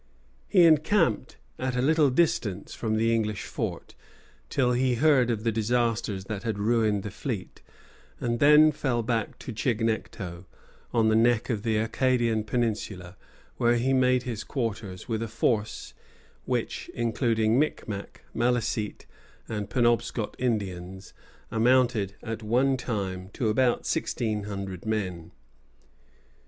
He encamped at a little distance from the English fort, till he heard of the disasters that had ruined the fleet, [Footnote: Journal de Beaujeu, in Le Canada Francçais, Documents, 53.] and then fell back to Chignecto, on the neck of the Acadian peninsula, where he made his quarters, with a force which, including Micmac, Malecite, and Penobscot Indians, amounted, at one time, to about sixteen hundred men.